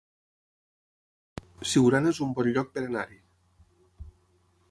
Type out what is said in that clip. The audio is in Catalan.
Siurana es un bon lloc per anar-hi